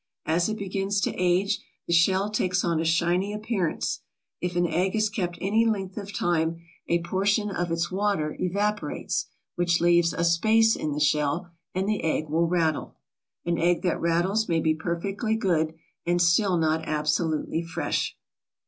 As it begins to age, the shell takes on a shiny appearance. If an egg is kept any length of time, a portion of its water evaporates, which leaves a space in the shell, and the egg will "rattle." An egg that rattles may be perfectly good, and still not absolutely fresh.